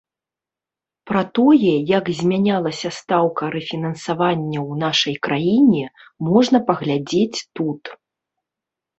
Пра тое, як змянялася стаўка рэфінансавання ў нашай краіне, можна паглядзець тут.